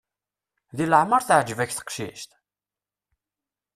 Deg leɛmer teɛǧeb-ak teqcict?